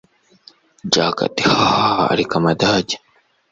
jakc ati hahahahaha ariko amadage